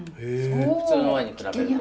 普通のワインに比べると。